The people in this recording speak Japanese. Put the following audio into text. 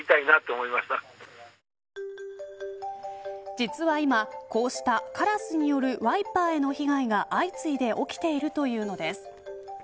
実は今こうしたカラスによるワイパーへの被害が相次いで起きているというのです。